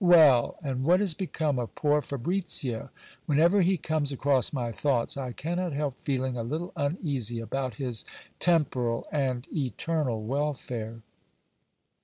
Well ! and what is become of poor Fabricio ? Whenever he comes across my thoughts, I cannot help feeling a little uneasy about his temporal and eternal welfare.